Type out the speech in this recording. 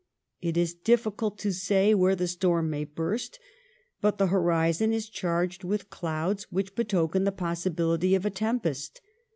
It is di£Glcult to say when the storm may burst ; but the horizon is charged with clouds wbioh betoken the possibility of a tempest.